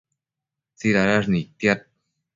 tsidadash nidtiad